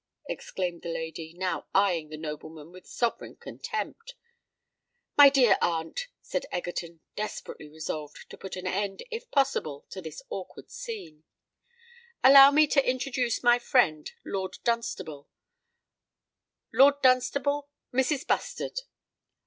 exclaimed the lady, now eyeing the nobleman with sovereign contempt. "My dear aunt," said Egerton, desperately resolved to put an end if possible to this awkward scene; "allow me to introduce my friend Lord Dunstable: Lord Dunstable—Mrs. Bustard."